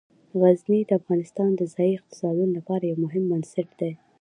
غزني د افغانستان د ځایي اقتصادونو لپاره یو مهم بنسټ دی.